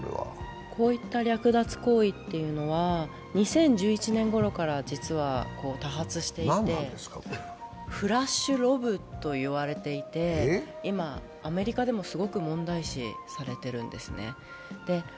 こういった略奪行為というのは２０１１年ごろから実は多発していて、フラッシュロブといわれていて今、アメリカでもすごく問題視されているんですね。